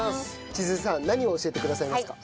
千鶴さん何を教えてくださいますか？